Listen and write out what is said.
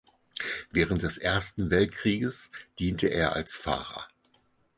Während des Ersten Weltkrieges diente er als Fahrer.